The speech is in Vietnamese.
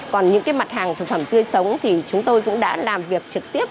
còn những mặt hàng thực phẩm tươi sống thì chúng tôi cũng đã làm việc trực tiếp